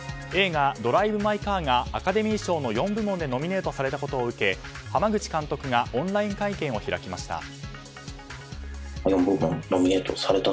映画「ドライブ・マイ・カー」がアカデミー賞の４部門でノミネートされたことを受け濱口監督がオンライン会見を開きました。